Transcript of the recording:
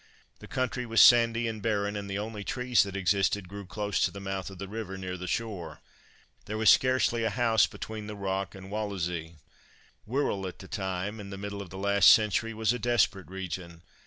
The country was sandy and barren, and the only trees that existed grew close to the mouth of the river near the shore. There was scarcely a house between the Rock and Wallasey. Wirrall at that time and the middle of the last century was a desperate region.